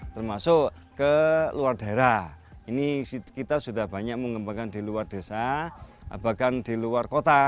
termasuk ke luar daerah ini kita sudah banyak mengembangkan di luar desa bahkan di luar kota